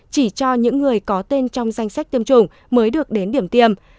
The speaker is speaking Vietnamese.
chỉ cho những người có tên trong danh sách tiêm chủng mới được đến điểm tiêm